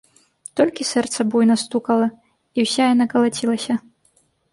Толькі сэрца буйна стукала, і ўся яна калацілася.